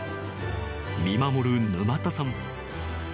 見守る沼田さん。